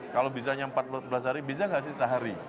kalau bisanya empat belas hari bisa nggak sih sehari